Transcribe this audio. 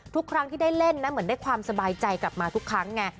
ทุกครั้งที่ได้เล่นนะเหมือนได้ความสบายใจกลับมาทุกครั้งไง